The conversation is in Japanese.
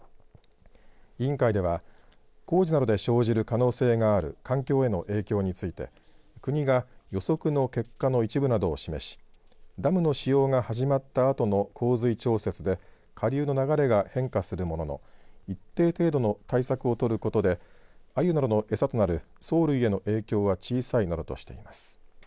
委員会では工事などで生じる可能性がある環境への影響について国が予測の結果の一部などを示しダムの使用が始まったあとの洪水調節で下流の流れが変化するものの一定程度の対策をとることでアユなどの餌となる藻類への影響は小さいなどとしています。